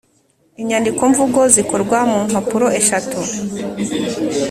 Inyandikomvugo zikorwa mu mpapuro eshatu